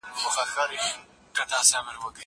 چپنه د مور له خوا پاکه کيږي!